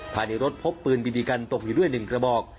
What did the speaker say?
ภายในรถพบปืนบิดีกันตกอยู่เรื่อยหนึ่งกระบอก